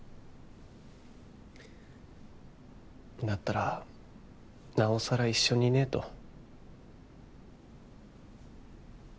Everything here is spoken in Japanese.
だったらなおさら一緒にいねと。